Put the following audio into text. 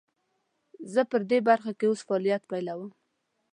زه پدي برخه کې اوس فعالیت پیلوم.